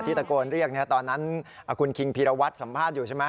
ตะโกนเรียกตอนนั้นคุณคิงพีรวัตรสัมภาษณ์อยู่ใช่ไหม